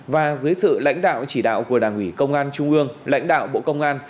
và dưới sự lãnh đạo chỉ đạo của đảng ủy công an trung ương lãnh đạo bộ công an